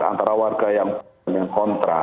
antara warga yang kontra